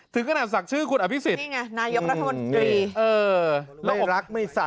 ถือกระดับสักชื่อคุณอภิษฎิเวชาชีวะ